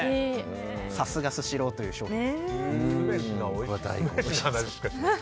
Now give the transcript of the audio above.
さすがスシローという商品です。